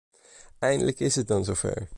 Eindelijk is het dan zover.